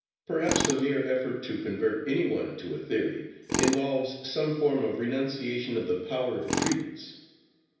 Perhaps the mere effort to convert any one to a theory involves some form of renunciation of the power of credence.